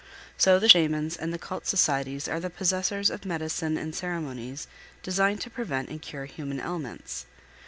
So the Shamans and the cult societies are the possessors of medicine and ceremonies designed to prevent and cure human ailments.